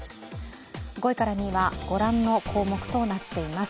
５位から２位はご覧の項目となっています。